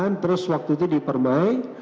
aan terus waktu itu di permai